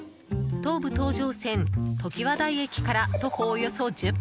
東武東上線ときわ台駅から徒歩およそ１０分。